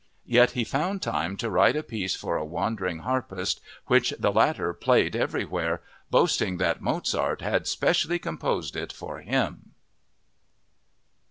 Yet he found time to write a piece for a wandering harpist, which the latter played everywhere, boasting that Mozart had specially composed it for him.